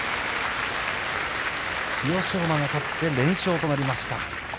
馬が勝って連勝となりました。